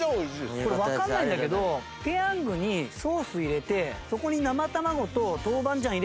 これわかんないんだけどペヤングにソース入れてそこに生卵と豆板醤入れるじゃダメなの？